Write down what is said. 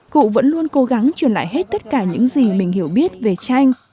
cụ vẫn luôn cố gắng truyền lại hết tất cả những gì mình hiểu biết về tranh